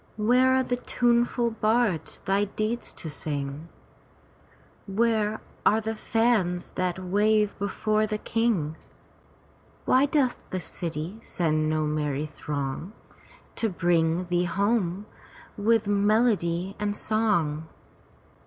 Where are the tuneful bards thy deeds to sing: Where are the fans that wave before the king? Why doth the city send no merry throng To bring thee home with melody and song?